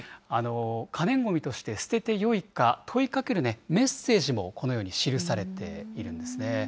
可燃ごみとして捨ててよいか問いかけるメッセージもこのように記されているんですね。